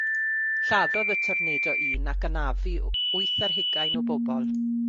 Lladdodd y tornado un ac anafu wyth ar hugain o bobl.